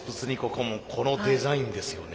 顧問このデザインですよね。